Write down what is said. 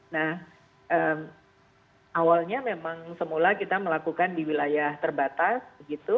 nah awalnya memang semula kita melakukan di wilayah terbatas begitu